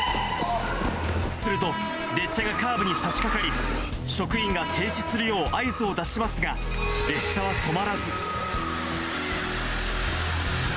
すると、列車がカーブにさしかかり、職員が停止するよう合図を出しますが、列車は止まらず。